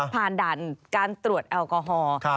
ผ่านด่านการตรวจแอลกอฮอล์